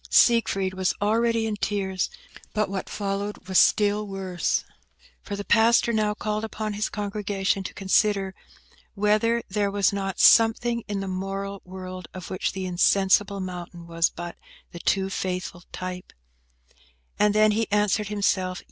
Siegfried was already in tears, but what followed was still worse, for the pastor now called upon his congregation to consider whether there was not something in the moral world of which the insensible mountain was but the too faithful type? And then he answered himself.